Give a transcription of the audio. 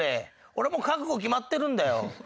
俺もう覚悟決まってるんだよ。